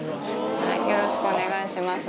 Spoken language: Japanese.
よろしくお願いします。